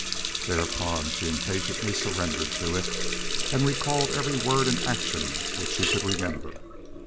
Thereupon she impatiently surrendered to it, and recalled every word and action which she could remember.